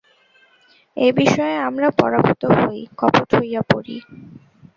এ বিষয়ে আমরা পরাভূত হই, কপট হইয়া পড়ি।